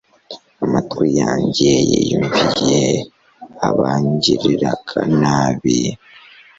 amatwi yanjye yiyumviye abangiriraga nabi